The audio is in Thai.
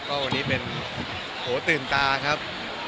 ก็วันนี้เป็นโหตื่นตาครับ